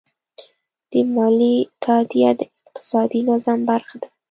د مالیې تادیه د اقتصادي نظم برخه ده.